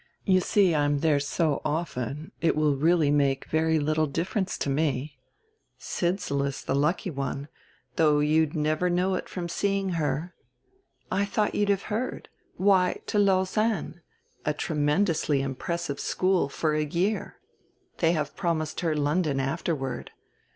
You see I'm there so often it will make really very little difference to me. Sidsall is the lucky one, though you'd never know it from seeing her.... I thought you'd have heard why, to Lausanne, a tremendously impressive school for a year. They have promised her London afterward.